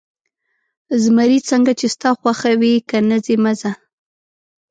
زمري: څنګه چې ستا خوښه وي، که نه ځې، مه ځه.